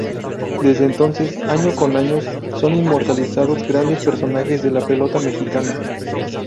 Desde entonces, año con años son inmortalizados grandes personajes de la pelota mexicana.